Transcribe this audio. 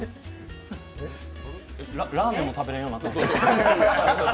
ラーメンも食べれんようになった？